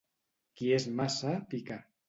Qui és maça pica.